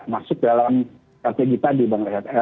masuk dalam kategori kita di bangladesh